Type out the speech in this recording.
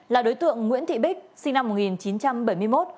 là đối tượng nguyễn thị bích sinh năm một nghìn chín trăm bảy mươi một